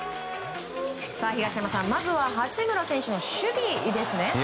東山さん、まずは八村選手の守備ですね。